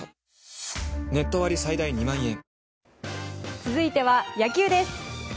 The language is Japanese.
続いては野球です。